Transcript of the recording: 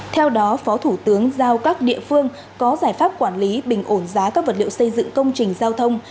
theo đó phó thủ tướng giao các địa phương có giải pháp quản lý bình ổn giá các vật liệu xây dựng công trình giao thông